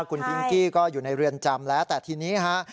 คุณพิงกี้ก็อยู่ในเรือนจำแล้วแต่ทีนี้ฮะ